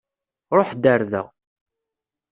Ṛuḥ-d ar da.